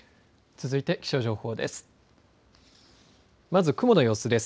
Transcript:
続いて気象情報です。